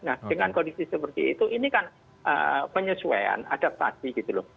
nah dengan kondisi seperti itu ini kan penyesuaian adaptasi gitu loh